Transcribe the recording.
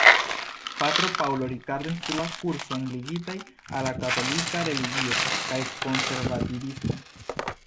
Patro Paulo Ricardo instruas kursojn ligitaj al la katolika religio kaj konservativismo.